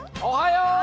おはよう！